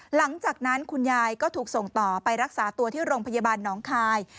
หลังจากนั้นคุณยายก็ถูกส่งต่อไปรักษาตัวที่โรงพยาบาลน้องคาย